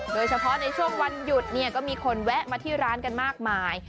โดยเฉพาะในช่วงวันหยุดเนี่ยก็มีคนแวะมาที่ร้านกันมากมาย